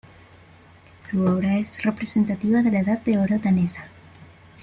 Su obra es representativa de la Edad de Oro danesa.